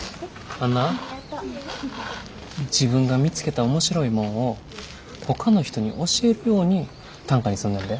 あんな自分が見つけた面白いもんをほかの人に教えるように短歌にすんねんで。